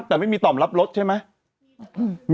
แต่ไม่มีตอบรับรถใช่ไหม